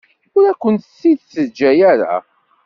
Ur akent-t-id-teǧǧa ara.